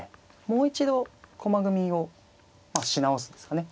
もう一度駒組みをし直すんですかね。